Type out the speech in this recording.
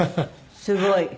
すごい！